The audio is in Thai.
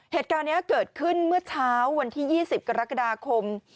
เหตุการณ์นี้เกิดขึ้นเมื่อเช้าวันที่๒๐กรกฎาคม